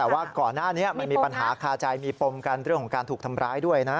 แต่ว่าก่อนหน้านี้มันมีปัญหาคาใจมีปมกันเรื่องของการถูกทำร้ายด้วยนะ